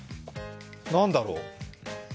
何だろう？